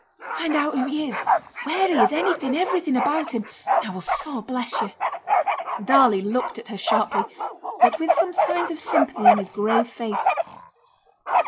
'Find out who he is, where he is anything everything about him and I will so bless yo'.' Darley looked at her sharply, but with some signs of sympathy on his grave face.